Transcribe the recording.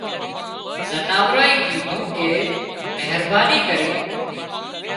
زناوڙانئي ڪيڌون ڪي مهرباني ڪرينَ